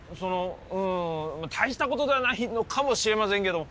うん大したことではないのかもしれませんけども。